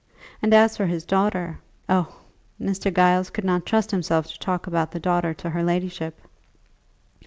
And as for his daughter oh! Mr. Giles could not trust himself to talk about the daughter to her ladyship.